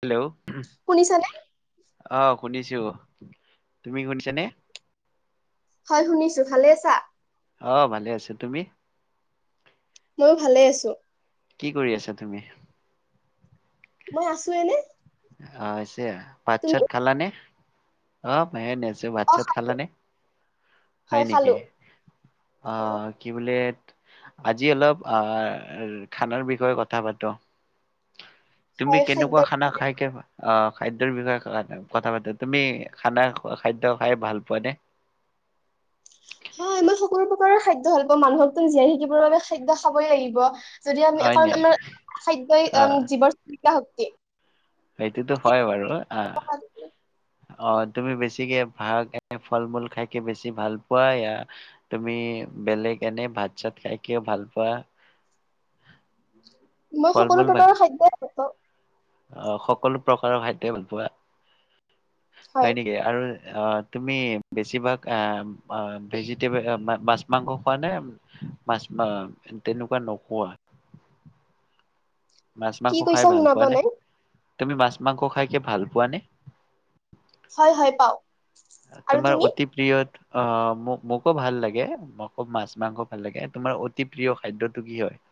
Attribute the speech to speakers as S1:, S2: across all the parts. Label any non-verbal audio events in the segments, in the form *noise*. S1: Hello.
S2: শুনিছানে
S1: অ শুনিছো তুমি শুনিছানে।
S2: হয় শুনিছো ভালে আছা।
S1: অ ভালে আছো তুমি
S2: ময়ো ভালে আছো
S1: কি কৰি আছা তুমি
S2: মই আছো এনে
S1: অ হৈছে ভাত
S2: তুমি?
S1: চাত খালানে অ ন আছো ভাত
S2: অ
S1: চাত খালানে হয় নেকি
S2: হয়
S1: আহ কি বোলে আজি অলপ আহ খানাৰ বিষয়ে কথা পাতো তুমি
S2: হয়, খাদ্য
S1: কেনেকুৱা খানা খাই কে বা অ খাদ্যৰ বিষয়ে কথা তুমি খানা খাদ্য খাই ভাল পোৱা নে
S2: হয় মই সকলো প্ৰকাৰৰ খাদ্য ভাল পাওঁ মানুহকো জীয়াই থাকিবৰ বাবে খাদ্য খাবই লাগিব যদি আমি
S1: হয় নে
S2: কাৰণ আমাৰ খাদ্যই
S1: অ
S2: জীৱৰ চালিকা শক্তি
S1: সেইটোতো হয় বাৰু আহ অ তুমি বেছিকে ভাত নে ফল মূল খাইকে বেছি ভাল পোৱা তুমি বেলেগ এনে ভাত চাত খাই যে ভাল পোৱা *unintelligible*
S2: মই সকলো
S1: মূল বা
S2: প্ৰকাৰৰ খাদ্যই ভাল পাওঁ
S1: অ সকলো প্ৰকাৰৰ খাদ্যই ভাল পোৱা হয় নেকি আৰু অ তুমি বেছিভাগ ভেজিটেব মাছ মাংস খোৱা নে মাছ তেনেকুৱা নকোৱা মাছ
S2: কি
S1: মাংস খাই
S2: কৈছা
S1: ভাল
S2: শুনা পোৱা
S1: পোৱানে
S2: নাই?
S1: তুমি মাছ মাংস খাইকে ভাল পোৱা নে
S2: হয় হয় পাও
S1: তোমাৰ অতি প্ৰিয় অ মোক মোকো ভাল লাগে মোক মাছ মাংস ভাল লাগে তোমাৰ অতি প্ৰিয় খাদ্যটো কি হয় *unintelligible*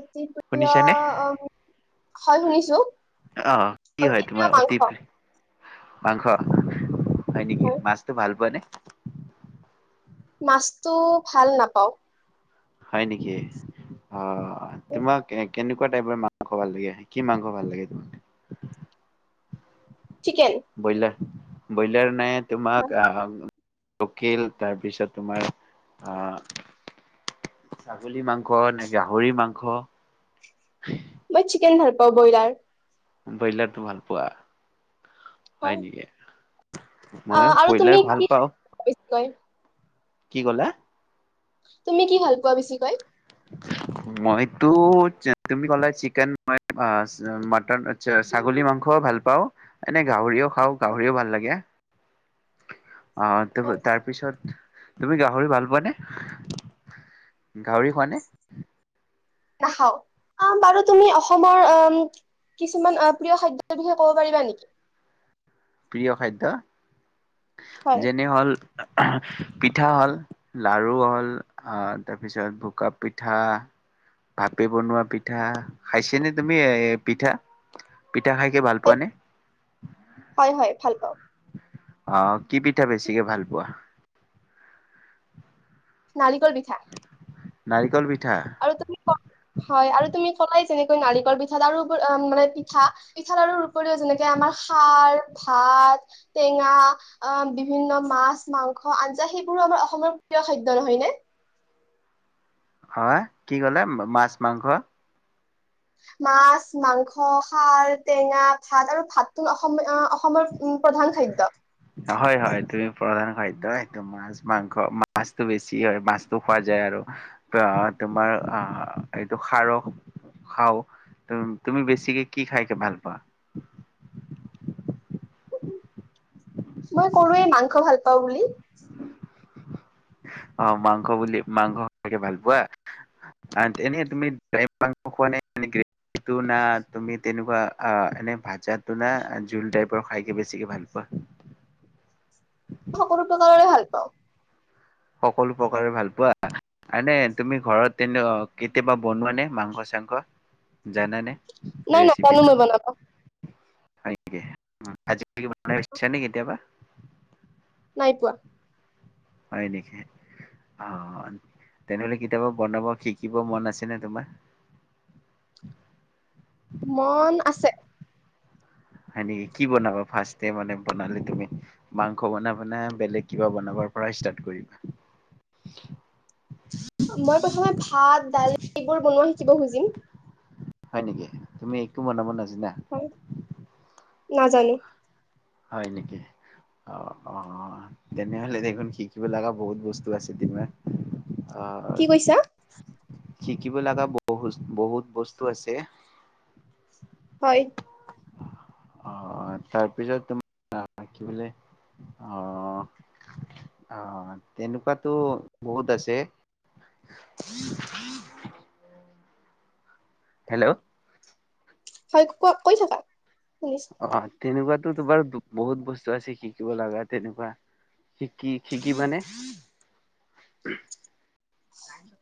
S2: অতি প্ৰিয়
S1: শুনিছানে
S2: হয় শুনিছোঁ।
S1: আহ কি হয় তোমাৰ অতি প্ৰিয় মাংস? হয় নেকি মাছটো ভাল পোৱা নে?
S2: মাছটো ভাল নাপাওঁ।
S1: হয় নেকি অ তোমাক এক কেনেকুৱা টাইপৰ মাংস ভাল লাগে কি মাংস ভাল লাগে তোমাক?
S2: চিকেন।
S1: ব্ৰইলাৰ ব্ৰইলাৰ নে তোমাক আ লোকেল তাৰপিছত তোমাৰ আহ ছাগলী মাংস নে গাহৰি মাংস?
S2: মই চিকেন ভাল পাওঁ ব্ৰইলাৰ।
S1: ব্ৰইলাৰটো ভাল পোৱা হয় নেকি।
S2: অ
S1: মইয়ো
S2: আৰু তুমি
S1: ব্ৰইলাৰ ভাল পাওঁ।
S2: *inaudible*
S1: কি ক'লা?
S2: তুমি কি ভাল পোৱা বেছি কয়?
S1: মইতো তুমি কলো চিকেন মটন ছাগলী মাংসও ভাল পাওঁ এনে গাহৰিও খাওঁ গাহৰিও খাওঁ ভাল লাগে। অ তাৰপিছত তুমি গাহৰি ভাল পোৱা নে গাহৰি? গাহৰি খোৱানে?
S2: নাখাওঁ আ বাৰু তুমি অসমৰ কিছুমান প্ৰিয় খাদ্যৰ বিষয়ে ক'ব পাৰিবা নেকি?
S1: প্ৰিয় খাদ্য
S2: হয়
S1: যেনে হ'ল পিঠা হ'ল। লাৰু হ'ল আহ তাৰপিছত বোকা পিঠা। ভাপে বনোৱা পিঠা। খাইছেনে তুমি এই পিঠা পিঠা খাইকে কি ভাল
S2: হয়
S1: পোৱানে?
S2: হয় হয় ভাল পাওঁ।
S1: অ', কি পিঠা বেছিকে ভাল পোৱা?
S2: নাৰিকল পিঠা।
S1: নাৰিকল পিঠা।
S2: আৰু তুমি ক- হয় আৰু তুমি কলাই যেনেকৈ নাৰিকল পিঠাত আৰু মানে পিঠা পিঠাল আৰুৰ উপৰিও যেনেকে আমাৰ খাৰ, ভাত, টেঙা অ', বিভিন্ন মাছ মাংস আঞ্জা সেইবোৰো আমাৰ অসমৰ প্ৰিয় খাদ্য নহয় নে।
S1: হয় কি ক'লে মাছ মাংস?
S2: মাছ, মাংস, খাৰ, টেঙা, ভাত আৰু ভাতো অসম অসমৰ উম প্ৰধান খাদ্য।
S1: হয় হয় তুমি প্ৰধান খাদ্য তোমাৰ। মাছ মাংস মাছতো বেছি হয় মাছতো খোৱা যায় আৰু। অ', তোমাৰ আহ এইটো খাৰৰ খাও তুমি বেছিকে কি খাই ভাল পোৱা?
S2: মই কলো ৱেই মাংস ভাল পাওঁ বুলি।
S1: অ', মাংস বুলি মাংস খাই ভাল পোৱা। এনে তুমি ড্ৰাই মাংস খোৱা নে গ্ৰেভী? সেইটো না তুমি তেনেকুৱা অ এনে ভাজাতটো না জোল টাইপৰ খাইকে বেছিকে ভাল পোৱা? *unintelligible*
S2: চব প্ৰকাৰে ভাল পাওঁ।
S1: সকলো প্ৰকাৰে ভাল পোৱা। আনে তুমি ঘৰত তেনে কেতিয়াবা বনোৱা নে মাংস চাংস জানানে।
S2: নাই নাজানো
S1: ৰেচিপিটো।
S2: মই বনাব,
S1: হয় নেকি *unintelligible* কেতিয়াবা।
S2: নাই পোৱা।
S1: হয় নেকি। অ তেনেহ'লে কেতিয়াবা বনাব শিকিব মন আছে নে তোমাৰ।
S2: মন আছে।
S1: হয় নেকি কি বনাবা ফাৰ্ষ্ট টাইম মানে বনালে তুমি। মাংস বনাবা নে বেলেগ কিবা বনাব পৰা ষ্টাৰ্ট কৰিবা।
S2: মই প্ৰথমে ভাত দালি এইবোৰ বনোৱা শিকিব খুজিম।
S1: হয় নেকি তুমি একো বনাব নাজানা
S2: নাজানো।
S1: হয় নেকি অ অ তেনেহলে দেখোন শিকিব লগা বহুত বস্তু আছে তোমাৰ অ
S2: কি কৈছা
S1: শিকিব লগা বহুত বহুত বস্তু আছে।
S2: হয়।
S1: অ তাৰপিছত তোমাৰ কি বোলে। অ অ তেনেকুৱাতো বহুত আছে। *unintelligible* হেল্ল'।
S2: হয় ক কৈ থাকা শুনিছোঁ
S1: অ' তেনেকুৱাতো তোমাৰ বহুত বস্তু আছে শিকিব লগা তেনেকুৱা। শিকি শিকিবা নে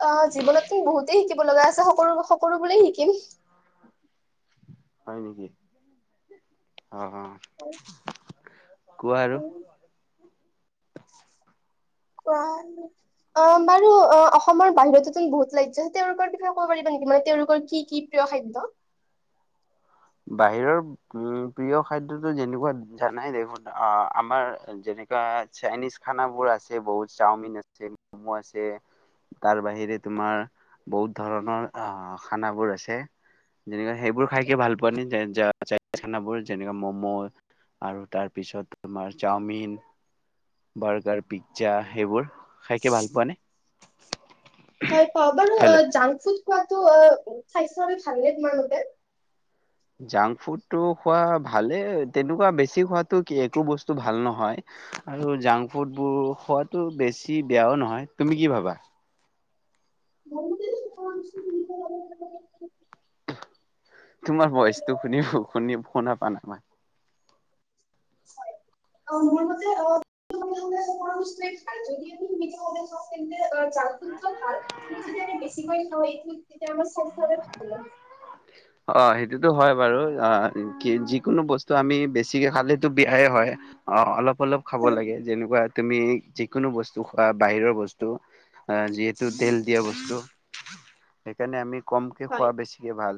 S2: অ জীৱনত কিন্তু বহুতেই শিকিব লগা আছে সকলো সকলোবোৰেই শিকিম।
S1: হয় নেকি অ কোৱা আৰু। *inaudible*
S2: কোৱা অ' বাৰু অ অসমৰ বাহিৰতোটো বহুত ৰাজ্য আছে তেওঁলোকৰ বিষয়ে ক'ব পাৰিব নেকি মানে তেওঁলোকৰ কি কি? প্ৰিয় খাদ্য
S1: বাহিৰৰ উম প্ৰিয় খাদ্যতো যেনেকুৱা জানাই দেখোন আহ আমাৰ যেনেকুৱা চাইনিজ খানা বোৰ আছে বহুত চওমিন আছে, মম' আছে তাৰ বাহিৰে তোমাৰ, বহুত ধৰণৰ আহ খানাবোৰ আছে। যেনেকে সেইবোৰ খাই কে ভাল পোৱা নে যে চাইনিজ খানাবোৰ যেনে ম'ম আৰু তাৰপিছত তোমাৰ চাওমিন বাৰ্গাৰ, পিজ্জা সেইবোৰ খাইকে ভাল পোৱা নে?
S2: হয় পাওঁ, বাৰু অ,
S1: কেলে?
S2: জাংক ফুড খোৱাতো অ, স্বাস্থ্যৰ বাবে ভালনে তোমালোকে
S1: জাংক ফুডটো খোৱা ভালে তেনেকুৱা বেছি খোৱাটো কি একো বস্তু ভাল নহয়। আৰু জাংক ফুড বোৰ খোৱাটো বেছি বেয়াও নহয়। তুমি কি ভাবা
S2: মোৰ মতে *unintelligible*
S1: তোমাৰ ভইচটো শুনি শুনি শুনা পোৱা নাই মই
S2: হয় অ, মোৰ মতে অ *unintelligible* জাংক ফুডটো ভাল কিন্তু যদি আমি বছিকৈ খাওঁ *unintelligible* তেতিয়া আমাৰ *unintelligible* ভাল *unintelligible*
S1: অ', সেইটোতো হয় বাৰু অ, কি যিকোনো বস্তু আমি বেছিকে খালেটো বিয়াই হয়। অ', অলপ অলপ খাব লাগে যেনেকুৱা তুমি যিকোনো বস্তু খোৱা বাহিৰৰ বস্তু অ', যিহেতু তেল দিয়া বস্তু, সেইকাৰণে আমি কমকে
S2: হয়
S1: খোৱা, বেছিকে ভাল।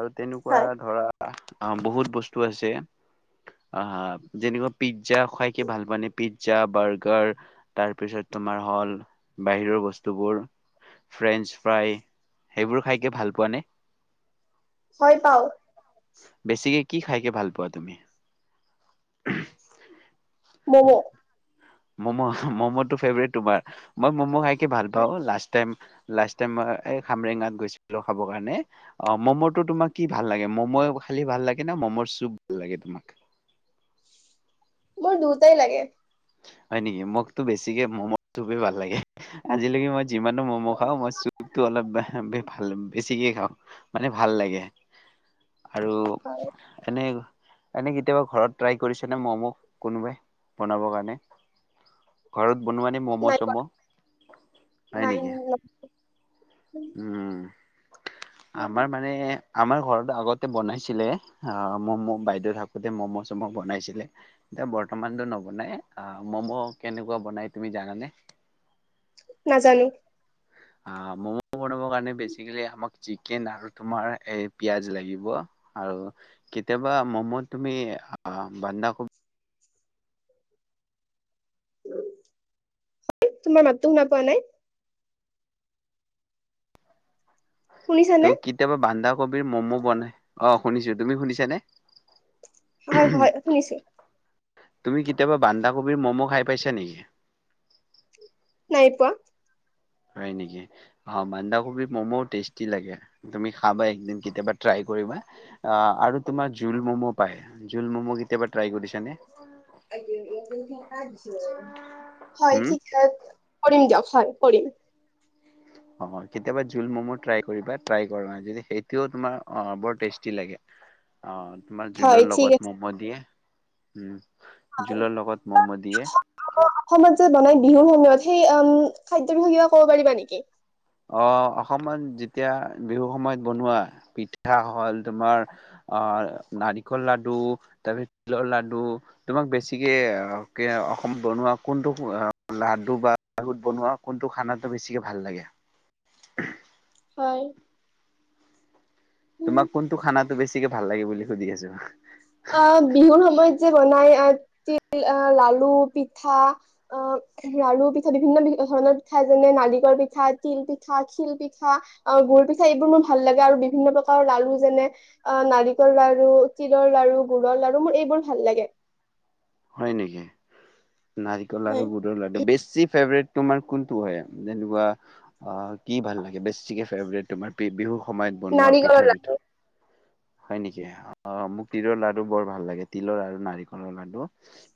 S1: আৰু তেনেকুৱা
S2: হয়
S1: ধৰা আ, বহুত বস্তু আছে। আ যেনেকুৱা পিজ্জা খাই কি ভাল পোৱা নে? পিজ্জা, বাৰ্গাৰ তাৰপিছত তোমাৰ হ'ল, বাহিৰৰ বস্তুবোৰ ফ্ৰেঞ্চ ফ্ৰাই, সেইবোৰ খাই কি ভাল পোৱা নে?
S2: হয় পাওঁ।
S1: বেছিকে কি খাইকে ভাল পোৱা তুমি?
S2: ম'ম,।
S1: ম'ম, ম'মটো ফেভাৰেত তোমাৰ, মই ম'ম খাই কি ভাল
S2: হয়
S1: পাওঁ লাষ্ট টাইম লাষ্ট টাইম মই এই খামৰেঙাত গৈছিলো খাবৰ কাৰণে অ', ম'ম'টো তোমাক কি লাগে? ম'ময়ে খালি ভাল লাগে নে? ম'মৰ চুপ ভাল লাগে তোমাক?
S2: মোৰ দুইটাই লাগে।
S1: হয় নেকি। মোকতো বেছিকে ম'ম চুপেই ভাল লাগে আজিলৈকে মই যিমানো ম'ম'
S2: হয়,
S1: খাওঁ মই চুপটো অলপ *unintelligible* ভাল বেছিকে খাওঁ। মানে ভাল লাগে। আৰু
S2: হয়।
S1: এনে, এনে কেতিয়াবা ঘৰত ট্ৰাই কৰিছে নে? ম'ম' কোনোবাই বনাবৰ কাৰণে *unintelligible* ঘৰত বনোৱা নে? ম'ম'
S2: নাই পোৱা-
S1: চ'ম' নাই
S2: নাই
S1: নেকি? উম, আমাৰ মানে আমাৰ ঘৰত আগতে বনাইছিলে, আ ' ম'ম' বাইদেউ থাকোতে ম'ম' -চম' বনাইছিলে। *unintelligible* বৰ্তমানতো নবনাই, আ মম' কেনেকুৱা বনাই তুমি জানানে?
S2: নাজানো।
S1: আ ম'ম *unintelligible* বনাবৰ কাৰণে বেছিকেলি আমাক চিকেন আৰু তোমাৰ এই পিয়াজ লাগিব। আৰু কেতিয়াবা ম'মত তুমি আ 'বান্ধাকবি
S2: তোমাৰ মাততো শুনা পোৱা নাই? শুনিছানে?
S1: ত 'কেতিয়াবা বান্ধাকবিৰ ম'ম' বনাই অ, শুনিছোঁ তুমি শুনিছা নে?
S2: হয়', হয়। শুনিছোঁ।
S1: তুমি কেতিয়াবা বান্ধাকবিৰ ম'ম খাই পাইছা নেকি?
S2: নাই পোৱা।
S1: হয় নেকি? অ বান্ধাকবিৰ ম'ম টেষ্টি লাগে তুমি খাবা একদিন কেতিয়াবা ট্ৰাই কৰিবা। আ আৰু তোমাৰ জোল ম'ম পায়, জোল ম'ম কেতিয়াবা ট্ৰাই কৰিছানে?
S2: হয় *unintelligible*
S1: হুম
S2: কৰিম দিয়ক হয় কৰিম।
S1: অ কেতিয়াবা জোল ম'ম ট্ৰাই কৰিবা ট্ৰাই কৰা যে সেইটোও তোমাৰ অ বৰ টেষ্টি লাগে। অ তোমাৰ
S2: হয়
S1: জোলৰ
S2: ঠিক
S1: লগত
S2: আছে
S1: ম'ম দিয়ে, উম
S2: হয়
S1: জোলৰ লগত ম'ম দিয়ে।
S2: *unintelligible* অসমত যে বনাই বিহুৰ সময়ত সেই উম, খাদ্যৰ বিষয়ে কিবা ক'ব পাৰিবা নেকি?
S1: অ অসমত যেতিয়া বিহু সময়ত বনোৱা পিঠা হ'ল তোমাৰ অ নাৰিকল লাডু, *unintelligible* তিলৰ লাডু তোমাক বেছিকে *unintelligible* অসমত বনোৱা কোনটো অ লাডু বা আগত বনোৱা কোনটো খানাটো বেছিকে ভাল লাগে।
S2: হয়। উম,
S1: তোমাক কোনটো খানাটো বেছিকে ভাল লাগে বুলি সুধি আছোঁ।
S2: অ বিহুৰ সময়ত যে বনাই অ তিল অ লালু পিঠা অহ লাৰু পিঠা বিভিন্ন ধৰণৰ পিঠা যেনে নাৰিকল পিঠা, তিল পিঠা, খিল পিঠা অহ গুৰ পিঠা এইবোৰ মোৰ ভাল লাগে আৰু বিভিন্ন প্ৰকাৰৰ লাৰু যেনে অ নাৰিকল লাৰু, তিলৰ লাৰু, গুৰৰ লাৰু, মোৰ এইবোৰ ভাল লাগে।
S1: হয় নেকি, নাৰিকল লাৰু
S2: হয়
S1: গুৰ ৰৰ লাডু বেছি ফেব্ৰিট তোমাৰ কোনটো হয় যেনেকুৱা অ কি ভাল লাগে বেছিকে ফেব্ৰিট তোমাৰ বি বিহুৰ সময়ত বনোৱা
S2: নাৰিকলৰ
S1: পিঠাৰ ভিতৰত। হয় নেকি, অ মোক তিলৰ লাৰু বৰ ভাল লাগে তিলৰ আৰু নাৰিকলৰ লাডু।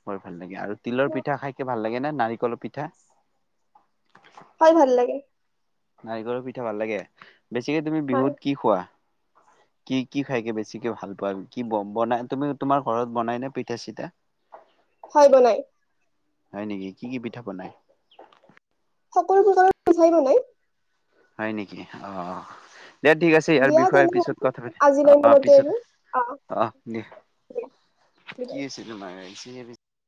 S1: বৰ ভাল লাগে আৰু তিলৰ
S2: লাৰু
S1: পিঠা খাইকে ভাল লাগে নে নাৰিকলৰ পিঠা।
S2: খায় ভাল লাগে।
S1: নাৰিকলৰ পিঠা ভাল লাগে। বেছিকে তুমি
S2: হয়
S1: বিহুত কি খোৱা? কি কি খাইকে বেছিকে ভাল পোৱা কি ব বনাই তুমি তোমাৰ ঘৰত বনাই নে পিঠা চিঠা? *unintelligible*
S2: হয় বনাই।
S1: হয় নেকি কি কি পিঠা বনাই?
S2: সকলোটো কাৰণ পিঠাই বনাই।
S1: হয় নেকি অ অ দে ঠিক আছে ইয়াৰ
S2: দিয়া
S1: বিষয়ে
S2: তেনেহলে
S1: পিছত কথা পাতি
S2: আজিলৈ
S1: অ
S2: ইমানতে
S1: পিছত
S2: আৰু আহ
S1: অ দে।
S2: দিয়া বিদায়।
S1: *unintelligible*